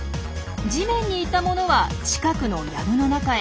地面にいたものは近くのやぶの中へ。